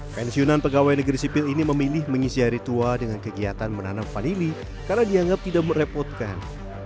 pensiunan pegawai negeri sipil ini memilih mengisi hari tua dengan kegiatan menanam vanili karena dianggap tidak merepotkan